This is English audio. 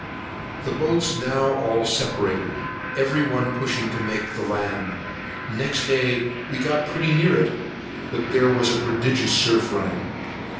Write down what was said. The boats now all separated, every one pushing to make the land. Next day we got pretty near it; but there was a prodigious surf running.